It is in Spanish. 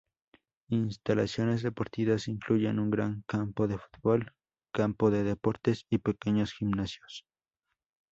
Instalaciones deportivas incluyen un gran campo de fútbol, campo de deportes y pequeños gimnasios.